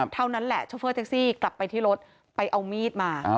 เท่านั้นแหละโชเฟอร์แท็กซี่กลับไปที่รถไปเอามีดมา